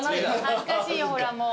恥ずかしいよほらもう。